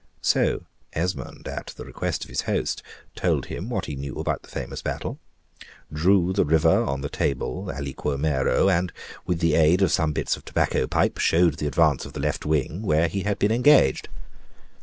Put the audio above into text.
So Esmond, at the request of his host, told him what he knew about the famous battle, drew the river on the table aliquo mero, and with the aid of some bits of tobacco pipe showed the advance of the left wing, where he had been engaged.